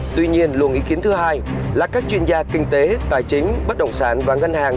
tuy nhiên luồng ý kiến thứ hai là các chuyên gia kinh tế tài chính bất động sản và ngân hàng